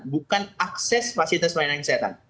bukan akses fasilitas pelayanan kesehatan